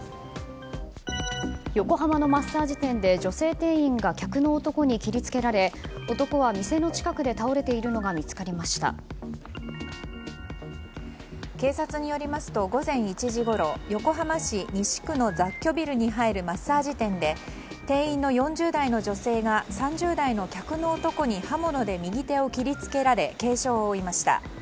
横浜のマッサージ店で女性店員が客の男に切りつけられ男は店の近くで倒れているのが警察によりますと午前１時ごろ横浜市西区の雑居ビルに入るマッサージ店で店員の４０代の女性が３０代の客の男に刃物で右手を切り付けられ軽傷を負いました。